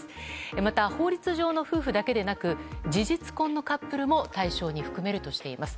また法律上の夫婦だけでなく事実婚のカップルも対象に含めるとしています。